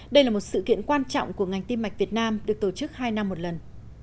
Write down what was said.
đây là một sự kiện quan trọng của ngành tiêm mạch việt nam được tổ chức hai năm một lần